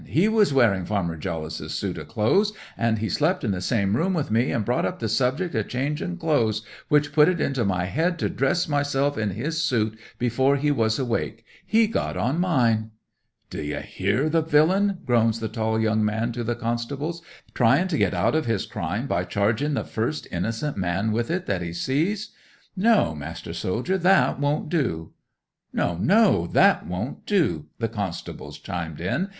He was wearing Farmer Jollice's suit o' clothes, and he slept in the same room wi' me, and brought up the subject of changing clothes, which put it into my head to dress myself in his suit before he was awake. He's got on mine!" '"D'ye hear the villain?" groans the tall young man to the constables. "Trying to get out of his crime by charging the first innocent man with it that he sees! No, master soldier—that won't do!" '"No, no! That won't do!" the constables chimed in.